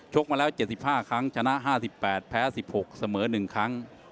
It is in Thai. มาแล้ว๗๕ครั้งชนะ๕๘แพ้๑๖เสมอ๑ครั้ง